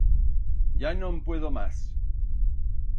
Ya no'n puedo mas.